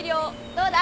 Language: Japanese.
どうだ？